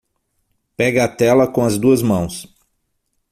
Pegue a tela com as duas mãos